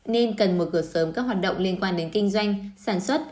nên cần mở cửa sớm các hoạt động liên quan đến kinh doanh sản xuất